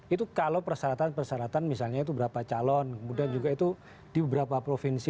itu kalau persyaratan persyaratan misalnya itu berapa calon kemudian juga itu di beberapa provinsi